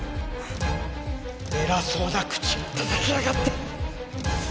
偉そうな口たたきやがって！